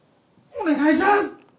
お願いします！